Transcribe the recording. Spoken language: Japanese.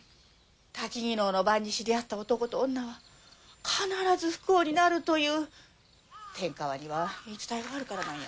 薪能の晩に知り合った男と女は必ず不幸になるという天川には言い伝えがあるからなんや。